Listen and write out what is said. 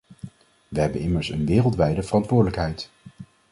We hebben immers een wereldwijde verantwoordelijkheid.